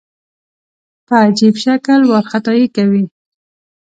په عجیب شکل وارخطايي کوي.